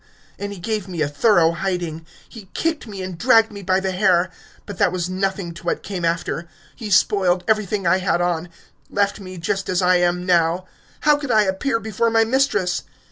And he gave me a thorough hiding. He kicked me and dragged me by the hair. But that was nothing to what came after. He spoiled everything I had on left me just as I am now! How could I appear before my mistress?